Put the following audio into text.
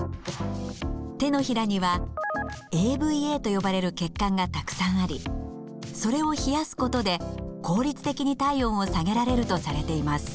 手のひらにはＡＶＡと呼ばれる血管がたくさんありそれを冷やすことで効率的に体温を下げられるとされています。